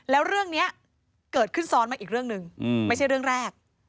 แล้วเรื่องนี้เกิดขึ้นซ้อนมาอีกเรื่องหนึ่งไม่ใช่เรื่องแรก